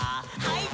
はい。